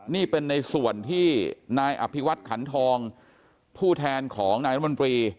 นี่เป็นในส่วนที่นายอภิวัตขันทองผู้แทนของนายรัฐมนตรี